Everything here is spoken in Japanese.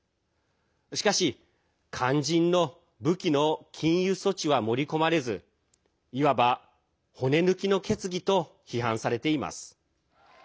しかし、肝心の武器の禁輸措置は盛り込まれずいわば、骨抜きの決議と批判されています。